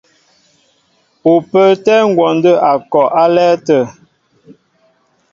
Ú pə́ə́tɛ́ ngwɔndə́ a kɔ álɛ́ɛ́ tə̂.